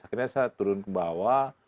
akhirnya saya turun ke bawah